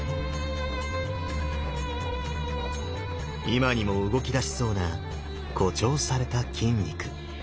今にも動きだしそうな誇張された筋肉。